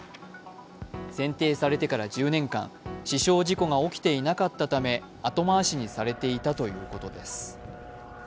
選定されてから１０年間、死傷事故が起きていなかったため後回しにされていたということです。